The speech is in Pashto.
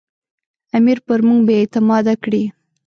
امیر پر موږ بې اعتماده کړي.